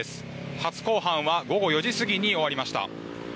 初公判は午後４時過ぎに終わりました。